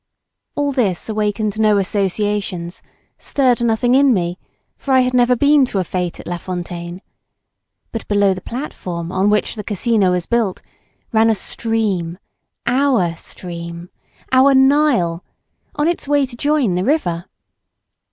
All this awakened no associations, stirred nothing in me, for I had never been to a fête at La Fontaine, but below the platform on which the casino was built, ran a stream, our stream, our Nile, on its way to join the river.